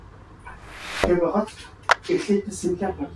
Ингээд хүүдээ Сүүлэн хүү гэж нэр өгөөд гурвуулаа амьдран суудаг болов.